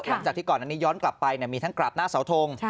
หลังจากที่ก่อนอันนี้ย้อนกลับไปมีทั้งกราบหน้าเสาทง